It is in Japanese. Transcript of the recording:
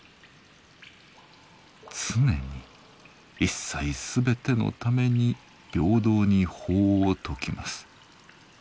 常に一切すべてのために平等に法を説きます。